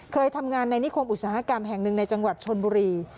เคยทำงานในนิคมอุตสาหกรรมแห่งหนึ่งในจังหวัดชนบุรี